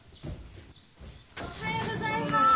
おはようございます。